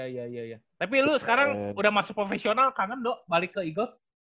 iya iya iya tapi lu sekarang udah masuk profesional kangen do balik ke eagles